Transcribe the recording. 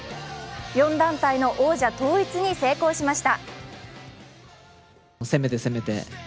４団体の王者統一に成功しました。